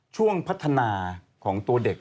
ช่วงพัฒนาของตัวเด็ก